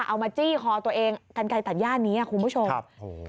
เอามาจี้คอตัวเองกันไกลตัดย่านนี้คุณผู้ชม